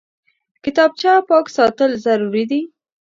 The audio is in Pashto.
کتابچه پاک ساتل ضروري دي